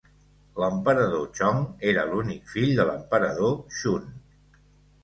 L'emperador Chong era l'únic fill de l'emperador Shun.